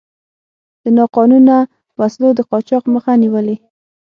د ناقانونه وسلو د قاچاق مخه نیولې.